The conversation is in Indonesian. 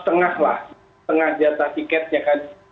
tengah jatah tiketnya kan